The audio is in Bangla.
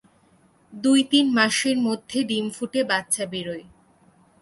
দুই-তিন মাসের মধ্যে ডিম ফুটে বাচ্চা বেরোয়।